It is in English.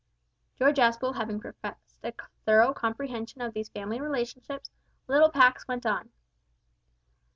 George Aspel having professed a thorough comprehension of these family relationships, little Pax went on.